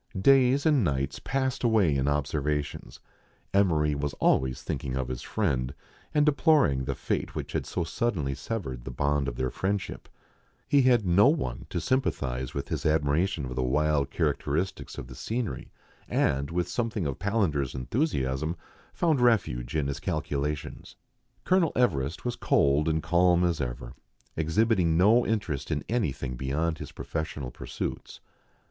Days and nights passed away in observations. Emery was always thinking of his friend, and deploring the fate which had so suddenly severed the bond of their friend ship. He had no one to sympathize with his admiration 140 meridiana; the adventures ok of the wild characteristics of the scenery, and, with some thing of Palander's enthusiasm, found refuge in his calcu lations. Colonel Everest was cold and calm as ever^ exhibiting no interest in any thing beyond his professional pursuits.